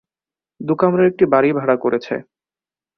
দু-কামরার একটা বাড়ি ভাড়া করেছে।